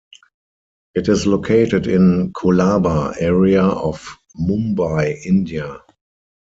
It is located in Colaba area of Mumbai, India.